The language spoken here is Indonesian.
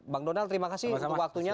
bang donald terima kasih untuk waktunya